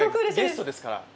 ゲストですから。